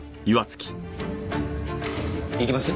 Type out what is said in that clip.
行きます？